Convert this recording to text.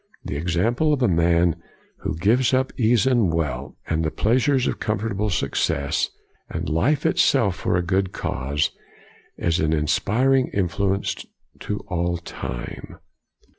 The ex ample of a man who gives up ease, and wealth, and the pleasures of comfortable success, and life itself for a good cause, COLIGNY 167 is an inspiring influence to all time.